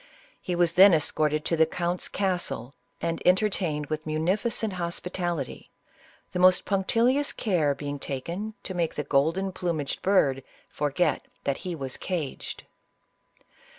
He was then escorted to the count's castle, and entertained with munificent hospitality, the most punctilious care being taken to make the golden plumaged bird forget that he was caged.